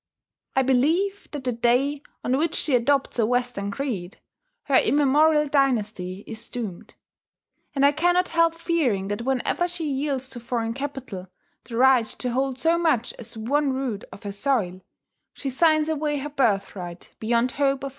I believe that the day on which she adopts a Western creed, her immemorial dynasty is doomed; and I cannot help fearing that whenever she yields to foreign capital the right to hold so much as one rood of her soil, she signs away her birthright beyond hope of recovery.